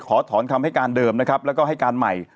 ขอถอนคำให้การเดิมนะครับแล้วก็ให้การใหม่